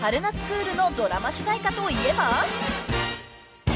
クールのドラマ主題歌といえば］